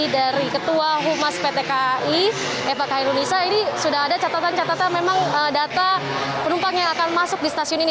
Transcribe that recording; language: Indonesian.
dari ketua humas pt kai mpaka indonesia ini sudah ada catatan catatan memang data penumpang yang akan masuk di stasiun ini